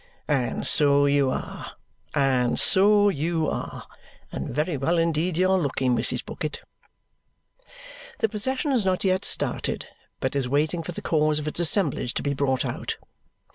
"And so you are. And so you are! And very well indeed you are looking, Mrs. Bucket!" The procession has not started yet, but is waiting for the cause of its assemblage to be brought out.